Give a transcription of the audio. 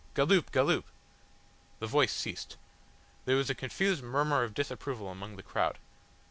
Galloop, Galloop!" The voice ceased. There was a confused murmur of disapproval among the crowd.